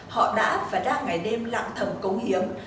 họ đã và đang ngày đêm lặng thầm cống hiến